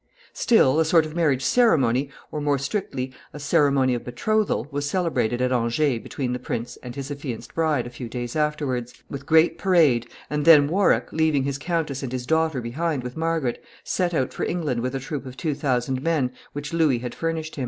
] Still, a sort of marriage ceremony, or, more strictly, a ceremony of betrothal, was celebrated at Angers between the prince and his affianced bride a few days afterward, with great parade, and then Warwick, leaving his countess and his daughter behind with Margaret, set out for England with a troop of two thousand men which Louis had furnished him.